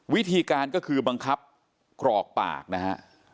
วิธีการก็คือบังคับกรอกปากนะฮะ